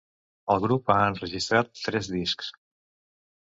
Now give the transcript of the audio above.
El grup ha enregistrat tres discs.